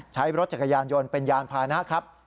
ใช้รถจักรยานยนต์เป็นยานพานะครับ